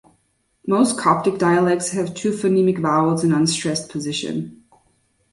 Most Coptic dialects have two phonemic vowels in unstressed position.